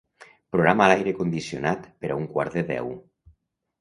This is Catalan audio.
Programa l'aire condicionat per a un quart de deu.